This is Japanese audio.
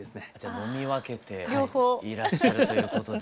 飲み分けていらっしゃるということで。